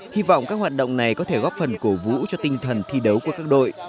hy vọng các hoạt động này có thể góp phần cổ vũ cho tinh thần thi đấu của các đội